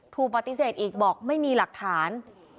ถูกปฏิเสธอีกบอกไม่มีหลักฐาน